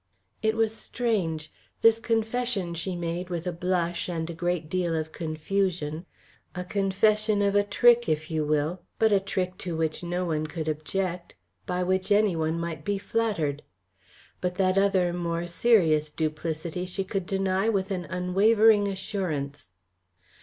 It was strange. This confession she made with a blush and a great deal of confusion a confession of a trick if you will, but a trick to which no one could object, by which anyone might be flattered. But that other more serious duplicity she could deny with an unwavering assurance!